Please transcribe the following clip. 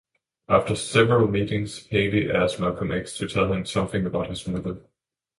After several meetings, Haley asked Malcolm X to tell him something about his mother.